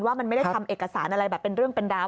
ว่ามันไม่ได้ทำเอกสารอะไรแบบเป็นเรื่องเป็นราว